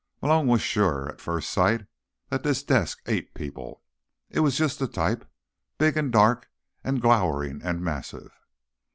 Malone was sure, at first sight, that this desk ate people; it was just the type: big and dark and glowering and massive.